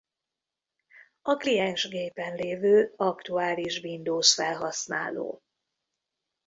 A kliens gépen lévő aktuális Windows felhasználó.